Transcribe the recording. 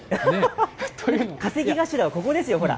稼ぎ頭はここですよ、ほら。